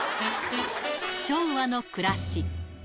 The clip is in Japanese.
昭和の暮らし。